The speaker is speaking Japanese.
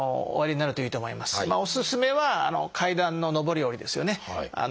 おすすめは階段の上り下りですよね。